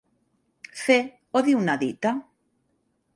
Fer o dir una dita.